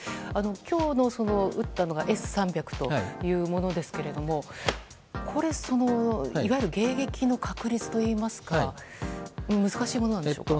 今日撃ったのがＳ３００というものですがこれは、いわゆる迎撃の確率といいますか難しいものでしょうか？